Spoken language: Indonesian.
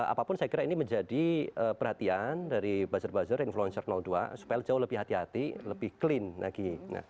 apapun saya kira ini menjadi perhatian dari buzzer buzzer influencer dua supaya jauh lebih hati hati lebih clean lagi